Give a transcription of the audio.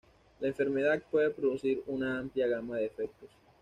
La enfermedad puede producir una amplia gama de efectos.